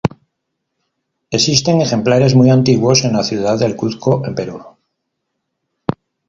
Existen ejemplares muy antiguos en la ciudad del Cuzco, en Perú.